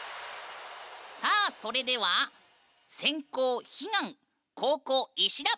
さあそれでは先攻彼岸後攻石田。